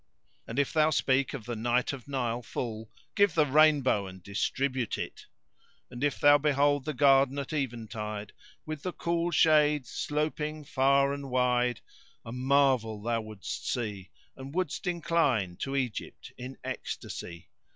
And if thou speak of the Night of Nile full,[FN#580] give the rainbow and distribute it![FN#581] And if thou behold The Garden at eventide, with the cool shades sloping far and wide, a marvel thou wouldst see and wouldst incline to Egypt in ecstasy.